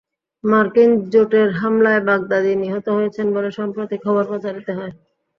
মার্কিন জোটের হামলায় বাগদাদি নিহত হয়েছেন বলে সম্প্রতি খবর প্রচারিত হয়।